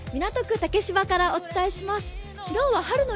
竹芝からお伝えします。